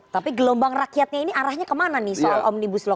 tapi gelombang rakyatnya ini arahnya kemana nih soal omnibus law